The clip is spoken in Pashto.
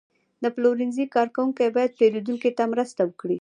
د پلورنځي کارکوونکي باید پیرودونکو ته مرسته وکړي.